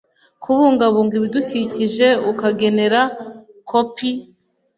kubungabunga ibidukikije akagenera kopi